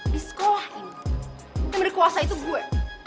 di sekolah ini yang berkuasa itu gue